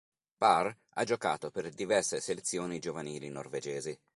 Parr ha giocato per diverse selezioni giovanili norvegesi.